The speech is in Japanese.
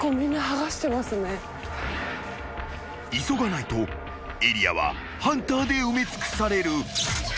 ［急がないとエリアはハンターで埋め尽くされる］